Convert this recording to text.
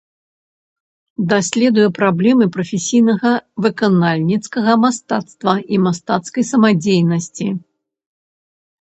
Даследуе праблемы прафесійнага выканальніцкага мастацтва і мастацкай самадзейнасці.